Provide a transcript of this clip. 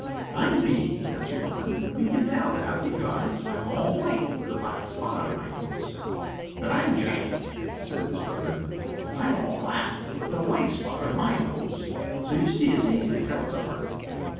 "I am Peetie," answered one. "You can tell that because I am all white with a black spot on my nose." "And I am Jackie," said his brother. "I am all black, with a white spot on my nose. So you see it is easy to tell us apart."